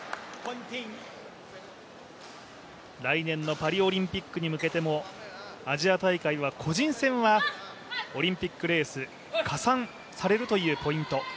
来年のパリオリンピックに向けてもアジア大会は、個人戦はオリンピックレース加算されるというポイント。